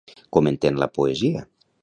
Com entén la poesia?